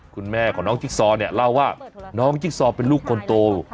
คุณแม่ของน้องจิ๊กซอเนี่ยเล่าว่าน้องจิ๊กซอเป็นลูกคนโต